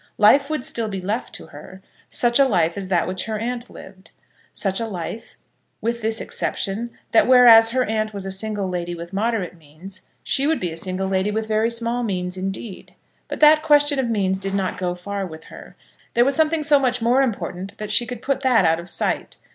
Life would still be left to her, such a life as that which her aunt lived, such a life, with this exception, that whereas her aunt was a single lady with moderate means, she would be a single lady with very small means indeed. But that question of means did not go far with her; there was something so much more important that she could put that out of sight.